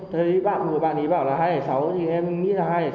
thấy bạn của bạn ấy bảo là hai sáu thì em nghĩ là hai sáu